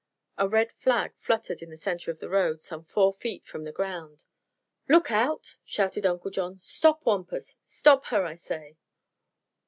A red flag fluttered in the center of the road, some four feet from the ground. "Look out!" shouted Uncle John. "Stop, Wampus; stop her, I say!"